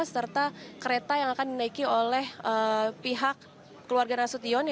serta kereta yang akan dinaiki oleh pihak keluarga nasution